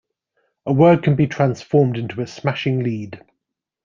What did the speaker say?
A word can be transformed into a smashing lead.